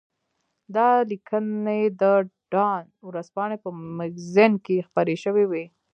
دا لیکنې د ډان ورځپاڼې په مګزین کې خپرې شوې وې.